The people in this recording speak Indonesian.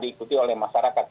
diikuti oleh masyarakat